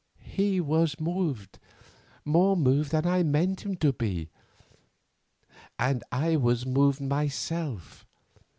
He was moved—more moved than I meant him to be, and I was moved myself.